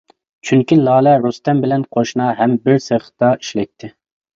چۈنكى لالە رۇستەم بىلەن قوشنا ھەم بىر سېختا ئىشلەيتتى.